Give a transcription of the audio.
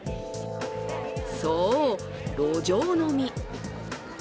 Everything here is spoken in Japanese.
そう、路上飲み。